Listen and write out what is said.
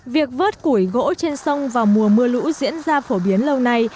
việc vớt củi gỗ trên sông vào mùa mưa lũ diễn ra phổ biến lâu nay